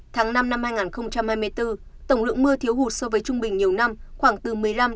tháng năm hai nghìn hai mươi bốn tổng lượng mưa thiếu hụt so với trung bình nhiều năm khoảng từ một mươi năm ba mươi